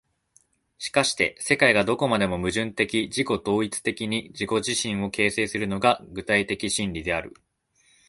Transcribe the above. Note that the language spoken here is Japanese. しかして世界がどこまでも矛盾的自己同一的に自己自身を形成するのが、具体的論理である。